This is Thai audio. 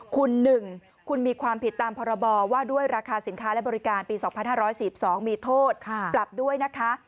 คุณ๑คุณมีความผิดตามพรบว่าด้วยราคาสินค้าและบริการปี๒๕๔๒มีโทษปรับด้วยนะคะ